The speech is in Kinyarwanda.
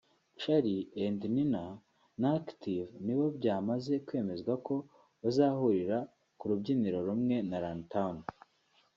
Charly& Nina na Active nibo byamaze kwemezwa ko bazahurira ku rubyiniro rumwe na Runtown